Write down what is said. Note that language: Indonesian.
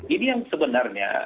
ini yang sebenarnya